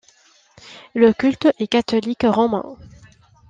Le culte est catholique romain.